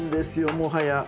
もはや。